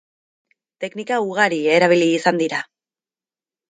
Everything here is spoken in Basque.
Teknika ugari erabili izan dira.